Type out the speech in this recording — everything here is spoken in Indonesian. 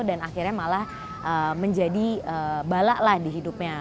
dan akhirnya malah menjadi balak lah di hidupnya